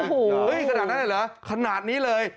เฮ้ยขนาดนั้นได้เหรอขนาดนี้เลย